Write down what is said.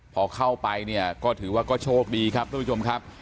พอเข้าไปเนี่ยก็ถือว่าก็โชคดีครับทุกผู้ชมครับ